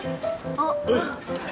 あっ。